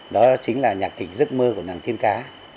đó chính là nhạc kịch giấc mơ của nàng tiên cá